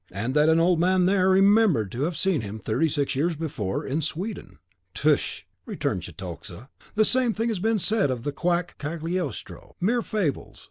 And that an old man THERE remembered to have seen him sixty years before, in Sweden." "Tush," returned Cetoxa, "the same thing has been said of the quack Cagliostro, mere fables.